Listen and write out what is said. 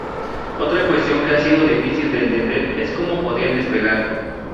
Otra cuestión que ha sido difícil de entender es como podían despegar.